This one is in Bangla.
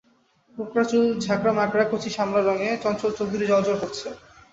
কোঁকড়া চুল ঝাঁকড়ামাকড়া, কচি শামলা রঙ, চঞ্চল চোখদুটি জ্বলজ্বল করছে।